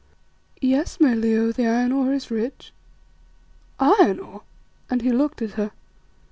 "Yes, my Leo, the iron ore is rich." "Iron ore?" and he looked at her.